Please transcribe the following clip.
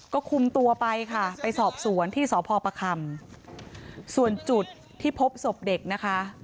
ก็คุมตัวไปค่ะไปสอบสวนที่สพประคำส่วนจุดที่พบศพเด็กนะคะ